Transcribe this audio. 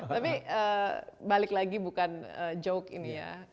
tapi balik lagi bukan joke ini ya